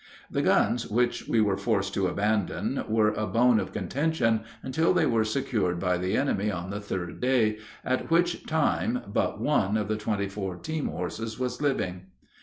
The guns which we were forced to abandon were a bone of contention until they were secured by the enemy on the third day, at which time but one of the twenty four team horses was living.